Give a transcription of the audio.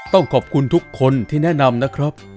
ต้องขอบคุณทุกคนที่แนะนำนะครับ